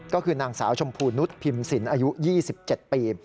ก็คือนางสาวชมพูนุษย์พิมพ์สินอายุ๒๗ปี